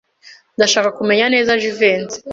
Ndashaka kumenya neza Jivency.